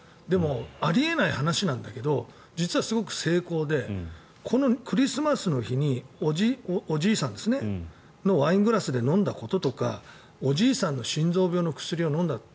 でも、あり得ない話なんだけど実はすごく精巧でこのクリスマスの日におじいさんのワイングラスで飲んだこととかおじいさんの心臓病の薬を飲んだ。